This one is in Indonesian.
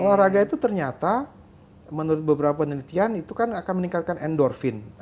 olahraga itu ternyata menurut beberapa penelitian itu kan akan meningkatkan endorfin